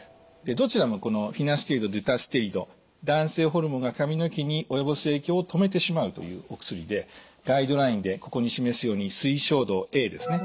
どちらもこのフィナステリドデュタステリド男性ホルモンが髪の毛に及ぼす影響を止めてしまうというお薬でガイドラインでここに示すように推奨度Ａですね。